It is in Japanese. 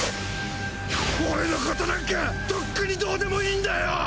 俺のことなんかとっくにどうでもいいんだよ。